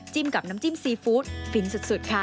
กับน้ำจิ้มซีฟู้ดฟินสุดค่ะ